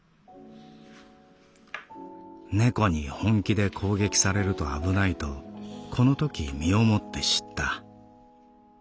猫に本気で攻撃されると危ないとこのとき身をもって知った。